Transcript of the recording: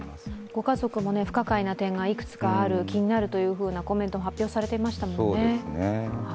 ご家族も不可解な点がいくつかある、気になるといったコメントも発表されていましたものね。